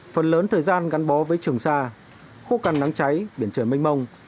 phần lớn thời gian gắn bó với trường sa khu căn nắng cháy biển trời mênh mông